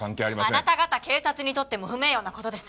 あなた方警察にとっても不名誉な事です。